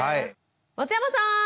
松山さん！